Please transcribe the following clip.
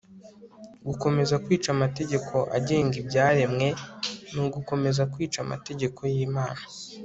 gukomeza kwica amategeko agenga ibyaremwe ni ugukomeza kwica amategeko y'imana